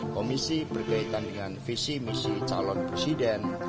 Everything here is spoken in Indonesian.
komisi berkaitan dengan visi misi calon presiden